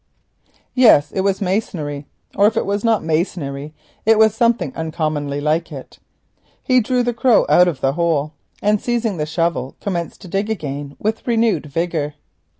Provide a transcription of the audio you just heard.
Yes, it was masonry, or if it was not masonry it was something uncommonly like it. He drew the crow out of the hole, and, seizing the shovel, commenced to dig again with renewed vigour.